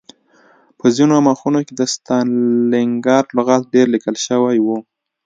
په ځینو مخونو کې د ستالنګراډ لغت ډېر لیکل شوی و